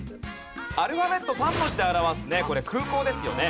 アルファベット３文字で表すねこれ空港ですよね。